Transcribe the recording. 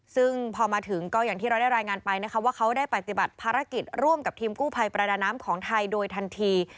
ซึ่งพอมาถึงก็อย่างที่เราได้รายงานไปนะคะว่าเขาได้ปฏิบัติภารกิจร่วมกับทีมกู้ภัยประดาน้ำของไทยโดยทันที